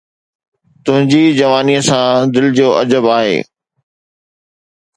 تنهنجي جوانيءَ سان دل جو عجب آهي